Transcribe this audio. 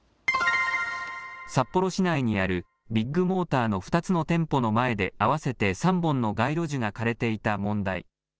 札幌市内にあるビッグモーターの２つの店舗の前で合わせて３本の街路樹が枯れていた問題。